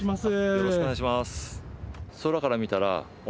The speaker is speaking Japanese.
よろしくお願いします。